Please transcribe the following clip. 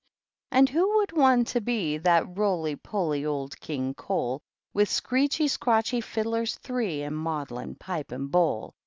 And who would want to be That roly poly old King Cole, With screechy, scrawchy fiddlers three And muudlin pipe and bovd?